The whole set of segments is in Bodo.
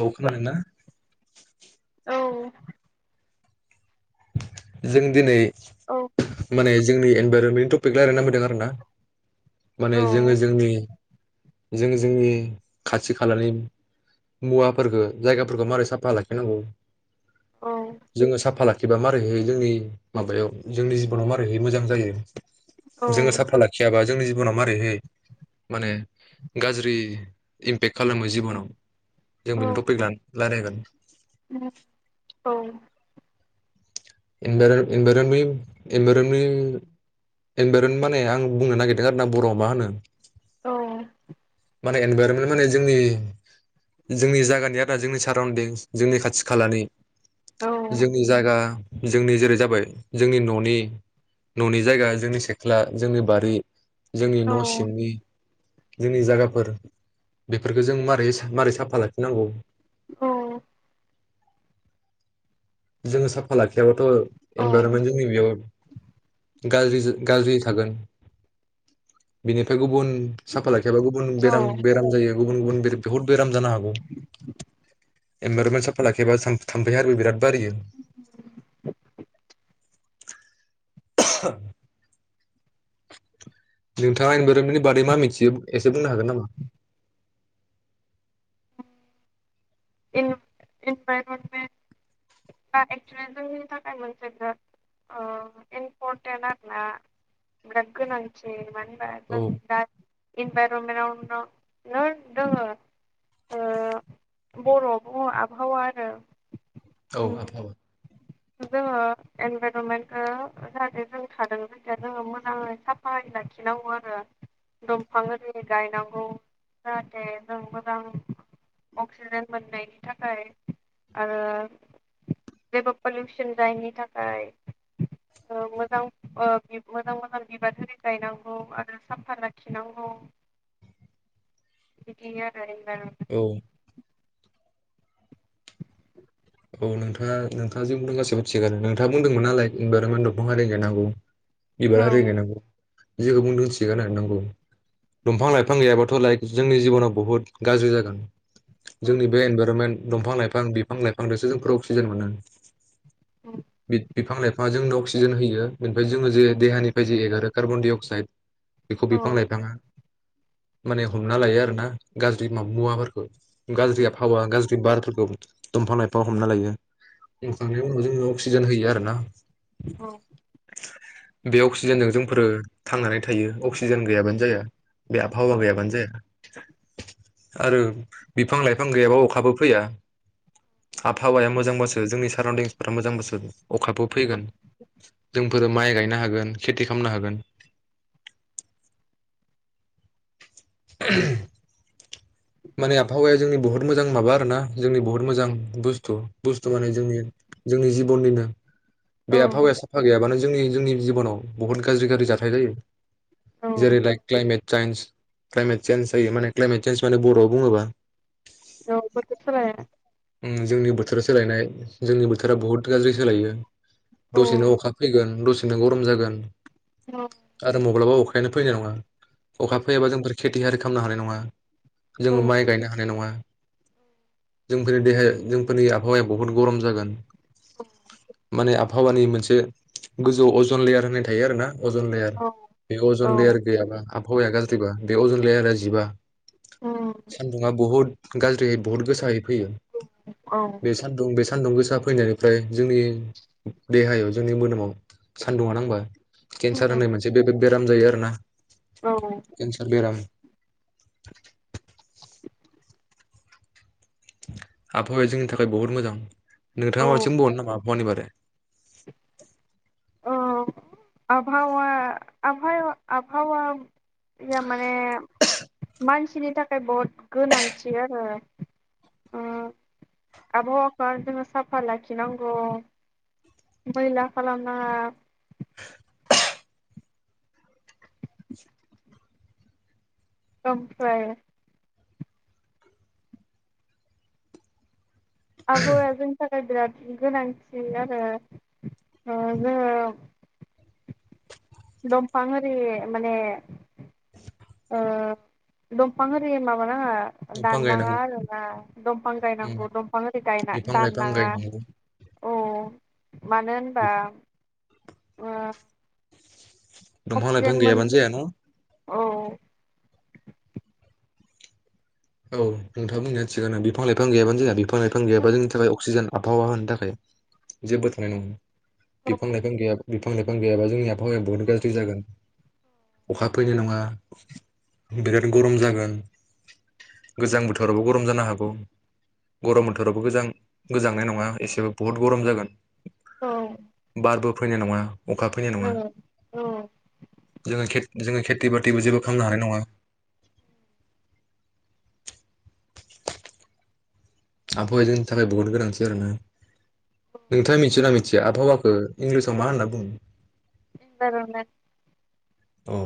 औ खोनादोंना? औ जों दिनै औ माने जोंनि इनभाइरनमेट त थपिक रायलायनो नामायदों आरोना माने जोङो जोंनि जों जोंनि खाथि खालानि मुवाफोरखौ जायगाफोरखौ माबारै साफा लाखिनांगौ औ जोङो साफा लाखि एबा मारैहै जोंनि माबायाव जोंनि जिबनाव मारैहै मोजां जायो? जोङो साफा लाखियाबा जोंनि जिबना मारैहै माने गाज्रि इमपेक्ट खालामो जिबनाव। जों बिनि टपिक लाना रायलायगोन। [inaudible] औ इनभाररमेन्ट माने मा आं बुंनो नागिरदों आरो ना बर'आव मा होनो। औ माने एनभाइरनमेन्ट माने जोंनि जोंनि जायगानि आरो जोंनि साराउन्दिं जोंनि खाथि खालानि औ जोंनि जायगा जोंनि जेरै जाबाय जोंनि न'नि न'नि जायगा जोंनि सेख्ला जोंनि बारि जोंनि न' सिंनि जोंनि जायगाफोर बेफोरखौ जों मारै मारै साफा लाखिनांगौ औ जोङो साफा लाखियाबा ओ इनभाइरनमेन्टनि नै बेयाव गाज्रि गाज्रि थागोन बिनिफ्राय गुबुन साफा लाखायाबा गुबुन औ बेराम बेराम जायो। गुबुन गुबुन बिरा बहुद बेराम जानो हागौ इनभाइरनमेन्ट साफा लाखैबा थाम्फै आरो बिराद बारियो [unintelligible] नोंथाङा इनभाइरमेन्टनि बादै मा मिथियो एसे बुंनो हागोन नामा? इन-इनभाइरनमेन्टा एक्सलि जोंनि थाखाय मोनसे बिराद ओ इम्परटेन्ट आरो ना बिराद गोनांथि औ माने [unintelligible] नट दोङो ओ बर'आवबो आबहावा होनो। औ जोङो इनभाइरनमेन्टखौ जाहाथे जों थादों जायखिया जोङो मोजाङै साफायै लाखिनांगौ आरो दंफां आरि गायनांगौ जाहाथे जों मोजां अंक सिजेन मोननायनि थाखाय आरो जेबो पलिउसन जायैनि थाखाय मोजां ओ मोजां मोजां बिबार आरि गायनांगौ आरो साफ्फा लाखिनांगौ बिदिनो आरो इनभाइरनमेन्ट औ औ नोंथाआ नोंथां जि बुंदों गासिबो थिगानो नोंथाङा बुंदोंमोन नालाय इनभाइरनमेन्ट दफां आरि गायनांगौ। बिबार औ आरि गायनांगौ। जेखौ बुंदोंस थिगानो नोंगौ। दंफां लाइफां गैयाबाथ' लाइक जोंनि जिबनाव बहुद गाज्रि जागोन। जोंनि बे इनभाइरनमेन्ट दंफां लाइफां बिफां लाइफां फांजोंसो जोंफोर अक्सिजेन मोनो। औ बि बिफां -लाइफांआ जोंनो अक्सिजेन होयो बेनिफ्राय जोङो जे देहानिफ्राय जे एगारो कार्बन-डाय-अक्साइड बेखौ औ बिफां लाइफांआ माने हमना लायो आरो ना गाज्रि मा मुवाफोरखो। गाज्रि आबहावा गाज्रि बारफोरखौ। दंफां-लाइफां हमना लायो। बुंखांनायनि उनाव जोङो अक्सि सिजेन होयो आरो ना। औ बे अक्सिजेनजों जोंफोरो थांनानै थायो अक्सिजेन गैयाबानो जाया। बे आबहावा गैयाबानो जाया। आरो बिफां-लाइफां गैयाबा अखाबो फैया। आबहावाया मोजांबासो जोंनि साराउन्दिंसफोरा मोजांबासो अखाबो फैगोन। जोंफोरो माइ गायनो हागोन खेथि खालामनो हागोन [inaudible] माने आबहावाया जोंनि बुहुत मोजां माबा आरोना जोंनि बुहुत मोजां बस्तु बस्तु माने जोंनि जोंनि जिबननिनो बे औ आफावाया साफा गैयाबानो जोंनि जोंनि जिबनाव बुहुत गाज्रि गाज्रि जाथाय जायो औ जेरै like climate change climate change जायो माने क्लाइमेट चेन्च माने बर'आव आव बुङोबा द बदसाया [unintelligible] जोंनि बोथोरा सोलायनाय जोंनि बोथोरा बहुत गाज्रि सोलायो औ दसेनो अखा फैगोन दसे सेनो गरम जागोन औ आरो मब्लाबा अ अखायानो फैनाय नङा औ अखा फैयाबा जों बोरै खेथियारि खालामनो हानाय नङा औ जोङो माइ गायनो हानाय नङा जोंफोरनि देहाया जोंफोरनि आबहावाया बहुद गरम जागोन औ माने आबहावानि मोनसे गोजौ अजन लेयार होननाय थायो आरो ना अजन लेयार औ बे अजन लेयार गैयाबा आबहावाया गाज्रिबा बे अजन लेयारा जिबा सान्दुङा बहुद गाज्रियै बहुत गोसायै फैयो औ बे सानदुं बे सान्दुं गोसा फैनानै ओमफ्राय जोंनि देहायाव जोंनि मोदोमाव सानदुंआ नांबा केन्सार होननाय मोनसे गेदेर बेराम जायो आरो ना औ केन्सार बेराम [inaudible] [inaudible] आबहावाया जोंनि थाखाय बहुत मोजां औ नोंथाङा मासिम बुंबावनो नामा आबहावानि बारै अ आबहावा आबहावा आबहावा बियो माने मानसिनि थाखाय बहुद गोनांथि आरो ओ आबहावाखौ जोंङो साफा लाखिनांगौ मैला खालामनाङा ओमफ्राय आबहावाया जोंनि थाखाय बिराद गोनांथिन आरो जोंङो दंफां आहोरि माने दंफां आहोरि माबानांङा दंफां दाननाङा गायनांगौ आरोना दंफां उम गायनांगौ दंफां आरि गायना बिफां लाइफां दाननाङा गायनांगौ औ मानो होनबा ओम दंफां लाइफां गैयाबानो जाया न औ औ नोंथाङा बुंनाया थिगानो बिफां लाइफां गैयाबानो जाहा बिफां बिफां लाइफां गैयाबा जोंनि थाखाय अक्सिजेन आबहावा होनो थाखाय जेबो थानाय नङा औ बिफां लाइफां गैयाबा बिफां लाइफां गैयाबा जोंनि आबहावाया बुहुत गाज्रि जागोन अखा फैनाय नङा बिराद गरम जागोन गोजां बोथोरावबो गरम जानो हागौ गरम बोथोरावबो गोजां गोजांनाय नङा एसेबो बहुत गरम जागोन। औ बारबो फैनाय नङा। अखा फैनाय नङा औ जोंङो खे जोंङो खेथि बाथिबो जेबो खालामनो हानाय नङा। आबहावाजोंनि थाखाय बहुद गोनांथि आरोना नोंथाङा मिथिय ना मिथिया आबहावाखौ इंलिसाव मा होनना बुङो? इनभाइरमेन्ट औ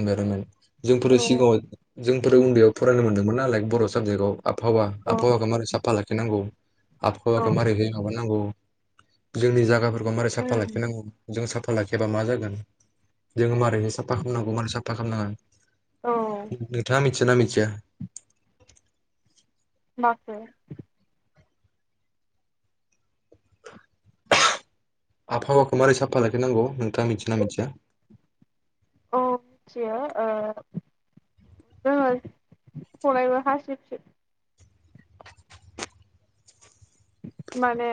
इनभाइरमेन्ट जोंफोरो औ सिगाङाव जोंफोर उन्दैयाव फरायनो मोनदोंमोन नालाइ बर' साबजेक्टआव आबहावा औ आबहावाखौ मारै साफा लाखिनांगौ औ आबहावाखौ मारैहाय माबा नांगौ जोंनि जायगाफोर मारै साफा उम लाखिनांगौ जों सा फा लाखियाबा मा जागोन जोङो मा साफा खालामनांगौ मारै साफा खालामनाङा औ नोंथाङा मिथि मिथियोना मिथिया माब्रै आबहावाखौ मारै साफा लाखिनांगौ नोंथाङा मिथिगोनना मिथिया औ मिथियो ओ जोङो फरायबा हासिबसिब माने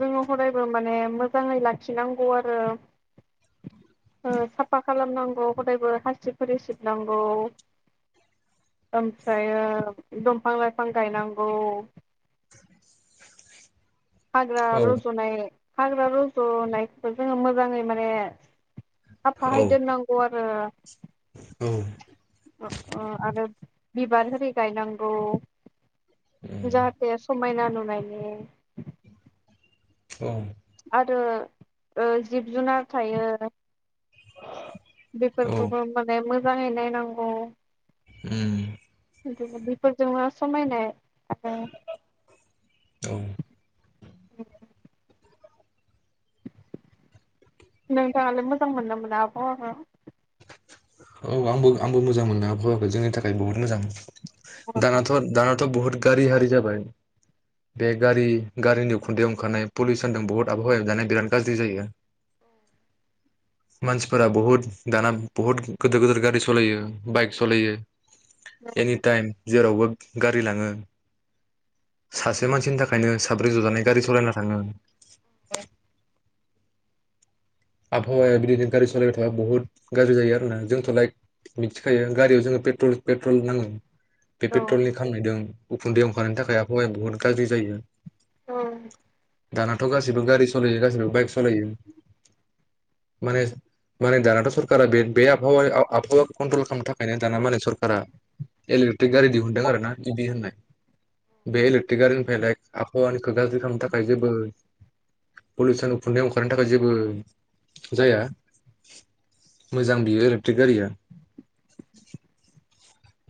जोङो हदायबो माने मोजाङै लाखिनांगौ आरो ओ साफा खालामनांगौ हदायबो हासिबफोरजों सिबनांगौ ओमफ्राय दंफां लाइफां गायनांगौ हाग्रा औ रजनाय हाग्रा रज'नायखौ जोङो मोजाङै माने औ साफायै दोननांगौ आर ओ औ अ अ आरो बिबार हिरि गायनांगौ। जाहाथे समायना न माने औ आरो ओ जिब जुनार थायो। औ बेफोरखौबो माने मो जाङै नायनांगौ। उम बेफोरजोंनो समायनाय आरो औ [inaudible] नोंथाङालाय मोजां मोनो ना मोना आबहावाखौ? औ आंबो आंबो मोजां मोनो आबहावाखौ जोंनि थाखाय बहुद मोजां। दानाथ' दानाथ' बहुद गारि हारि जाबाय बे गारि गारिनि उखुन्दैयाव ओंखारनाय पलिउसनजों बुहुत आबहावायाव दाना बिराद गाज्रि जायो मानसिफोरा बहुद दाना बहुत गोदोर गोदोर गारि सालयो बाइक सालयो। औ एनिटाइम जेरावबो गारि लाङो सासे मानसिनि थाखायनो साब्रै जजानाय गारि सालायना थाङो। [inaudible] आबहावाया बिदिनो गारि सालायबाय थाबा बुहुत गाज्रि जायो आरोना जोंथ' लाइक मिथिखायो गारियाव जोङो पेट्रल नाङो। बे औ पेट्रलनि खामनायदों उखुन्दैयाव ओंखरनायनि थाखाय आबहावाया बुहुत गाज्रि जायो। उम। दानाथ' गासिबो गारि सलायो, गासिबो बाइक सालायो। माने माने दानाथ' सरका बे बे आबहावाया आबहावाखौ कन्ट्रल खालामनो थाखायनो दाना माने सरका इलेक्ट्रिक गारि दिहुनदों आरो ना। इ भी होननाय बे इलेक्ट्रिक गारिनिफ्राय लाक आबहावानिखौ गाज्रि खालामनो थाखाय जेबो पलिउसन उखुन्दै ओंखारनो थाखाय जेबो जाया मोजां बियो इलेक्ट्रिक गारिया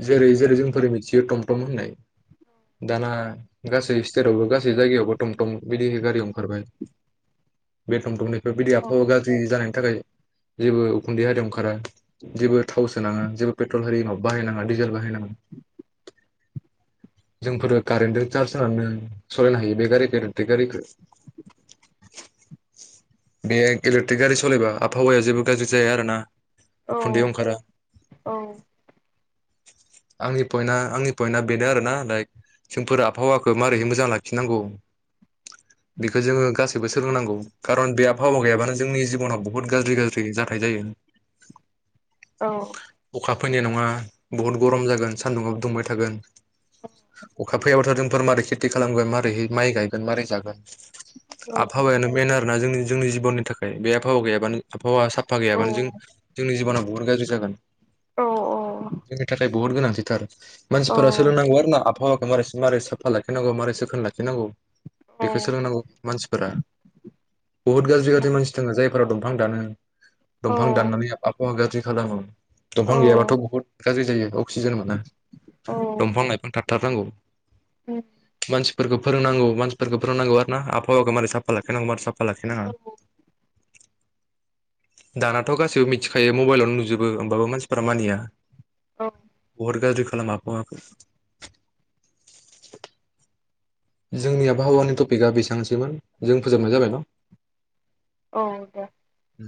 जेरै जेरै जोंफोर मिथियो टमटम होननाय दाना गासै स्टेटआवबो गासै जायगायावबो टमटम बिदि गारि ओंखारबाय। बे टमटमनि बेफोरबायदि आबफावा गाज्रि जानायनि थाखाय जेबो उखुन्दै हारियाव ओंखारा, जेबो थाव सोनाङा, जेबो पेट्रल हारि माबा बाहायनां डिजेल बाहाय नांङा, जोंफोरो कारेन्टजों चार्ज होनानै दोंङो सालायनो हायो बे गारिखो आरो बे गारिखौ। बेयो इलेकट्रिक गारि सालायबा आबहावाया जेबो गाज्रि जाया आरो ना। उखुन्दै ओंखारा। आंनि पइटना आंनि पइन्टआ बेनो आरोना लाइक जोंफोर आबहावाखौ मारैहै मोजां लाखिनांगौ। बेखौ जोङो गासैबो सोलोंनांगौ खारन बे आबहावा गैयाबानो जोंनि जिबनाव बुहुत गाज्रि-गाज्रि जाथाय जायो। औ। अखा फैनाय नङा बहुत गरम जागोन। सानदुंआव दुंबाय थागोन अखा फैाबथ' जोंफोर मारै खेथि खालामगोन मारोरैह माइ गायगोन मारै जागोन। आबहावानो मेन। ज'ना जोंनि। जोंनि जिबननि थाखाय बे आबहाव गैयाबानो आहावा साब हावा गैयाबानो जों जोंनि जिबना बुहुत गाज्रि जागोन। औ औ। जोंनि थाखाय बहुत गोनांथिथार। मानसिफोरा सोलोंनांगौ आरो ना आबहावाखौ मारै मारै साफा लाखिनांगौ। मारै सोखोन लाखिनांगौ बेखौ सोलों नांगौ मानसिफोरा। बुहुत गाज्रि -गाज्रि मानसि दंङ जायफोरा दंफां दानो, दंफां दाननानै आबहावा गाज्रि खालामो दंफां गैयाबाथ' बुहुत गाज्रि जायो अक्सिजेन मोना दंफां -लाइफां थाथार नांगौ। मानसिफोरखौ फोरोंनांगौ मानसिफोरखौ फोरोंनांगौ आर ना आबहावाखौ मारै साफा लाखिांगौ मारै साफा लाखायो। दानाथ' गासिबो मिथिखायो मबाइलावनो नुजोबो होमबाबो मानसिफोरा मानिया। औ। बहुत गाज्रि खालामो आबहावाखौ। जोंनि आबहावानि टपिकआ बेसेबांसो मोन जों फोजोबनाय जाबाय न'। औ दे। उम